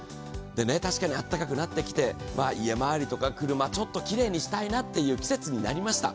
確かにあったかくなってきて家まわりとか車、ちょっときれいにしたいなという季節になりました。